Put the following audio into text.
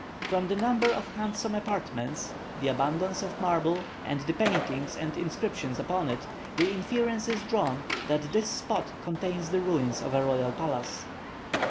From the number of handsome apartments, the abundance of marble, and the paintings and inscriptions upon it, the inference is drawn that this spot contains the ruins of a royal palace.